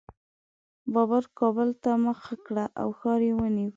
بابر کابل ته مخه کړه او ښار یې ونیو.